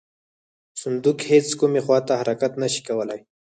صندوق هیڅ کومې خواته حرکت نه شي کولی.